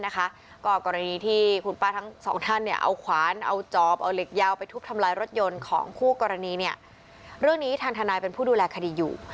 กรณีที่พนักงานเอาขวานเอาจอบเอาเหล็กยาวไปทุบทำร้ายรถยนต์ของคู่กรณีโดยธนาคารเป็นผู้ดูแลคดีอยู่